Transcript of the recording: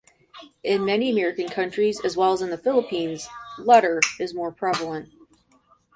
In many American countries as well as in The Philippines, 'Letter' is more prevalent.